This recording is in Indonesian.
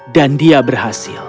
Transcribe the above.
dan dia berhasil